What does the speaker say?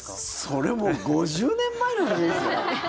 それもう５０年前の話ですよ。